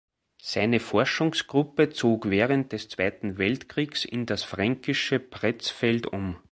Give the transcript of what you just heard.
Seine Forschungsgruppe zog während des Zweiten Weltkriegs in das fränkische Pretzfeld um.